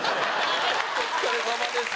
お疲れさまです。